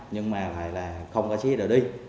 nhưng mà lại là không có xe đã đi